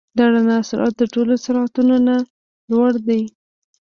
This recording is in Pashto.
د رڼا سرعت د ټولو سرعتونو نه لوړ دی.